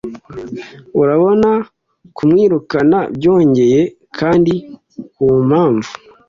urabona kumwirukana byongeye kandi kumpamvu